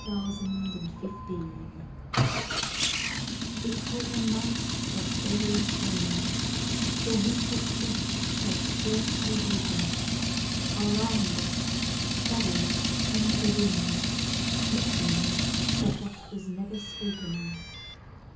SARA TEASDALE WISDOM It was a night of early spring, The winter sleep was scarcely broken; Around us shadows and the wind Listened for what was never spoken.